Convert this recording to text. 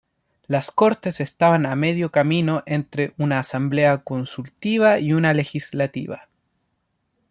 Las Cortes estaban a medio camino entres una asamblea consultiva y una legislativa.